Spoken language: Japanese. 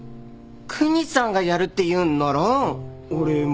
クニさんがやるって言うんなら俺も。